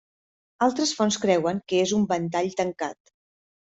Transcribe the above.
Altres fonts creuen que és un ventall tancat.